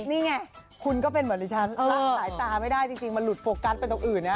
นี่ไงคุณก็เป็นเหมือนดิฉันละสายตาไม่ได้จริงมันหลุดโฟกัสไปตรงอื่นนะ